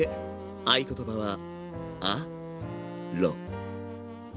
合言葉は「アロゼ」。